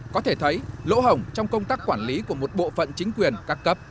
có thể thấy lỗ hồng trong công tác quản lý của một bộ phận chính quyền các cấp